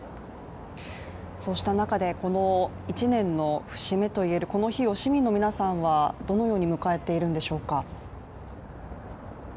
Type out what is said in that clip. そうした中で、この１年の節目と言えるこの日を市民の皆さんはどのように迎えているんでしょうか？